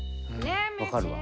分かるわ。